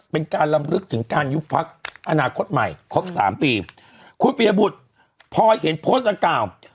เป็นการลำลึกถึงการยุบพักอนาคตใหม่ครบสามปีคุณปียบุตรพอเห็นโพสต์ดังกล่าว